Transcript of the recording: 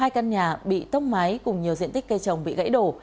hai căn nhà bị tốc mái cùng nhiều diện tích cây trồng bị gãy đổ